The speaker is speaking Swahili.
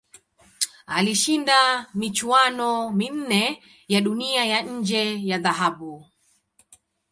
Alishinda michuano minne ya Dunia ya nje ya dhahabu.